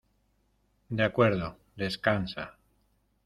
de acuerdo, descansa.